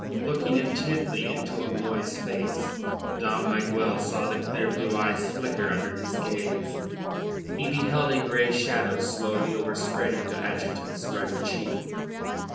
Looking intently into O'Moy's face, Dom Miguel saw the clear blue eyes flicker under his gaze, he beheld a grey shadow slowly overspreading the adjutant's ruddy cheek.